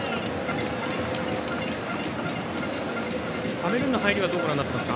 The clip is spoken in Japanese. カメルーンの入りはどうご覧になっていますか。